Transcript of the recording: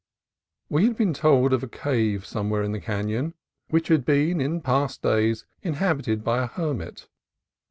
We had been told of a cave somewhere in the canon, which had been in past days inhabited by a hermit.